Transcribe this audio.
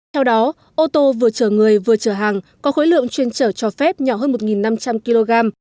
theo đó ô tô vừa chở người vừa chở hàng có khối lượng chuyên chở cho phép nhỏ hơn một năm trăm linh kg